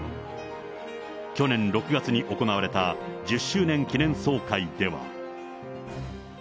去年６月に行われた、１０周年記念総会では。